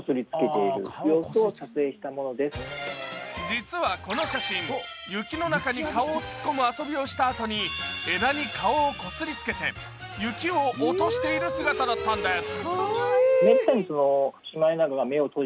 実はこの写真、雪の中に顔を突っ込む遊びをしたあとに枝に顔をこすりつけて、雪を落としている写真だったんです。